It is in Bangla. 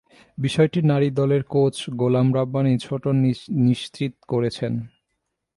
বিষয়টি নারী দলের কোচ গোলাম রাব্বানি ছোটন নিশ্চিত করেছেন।